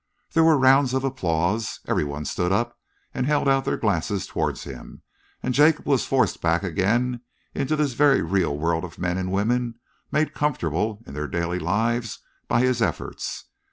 There were rounds of applause. Every one stood up and held out their glasses towards him, and Jacob was forced back again into this very real world of men and women made comfortable in their daily lives by his efforts.